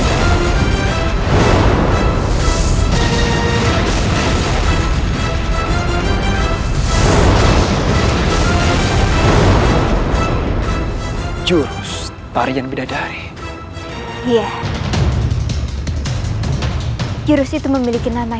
hai juhu tarjan bidadari iya jurus itu memiliki nama yang